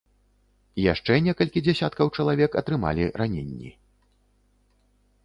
Яшчэ некалькі дзесяткаў чалавек атрымалі раненні.